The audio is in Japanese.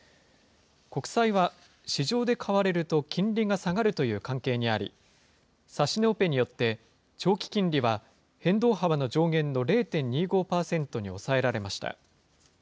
国債は市場で買われると金利が下がるという関係にあり、指値オペによって、長期金利は変動幅の上限の０．２５％に抑えられました。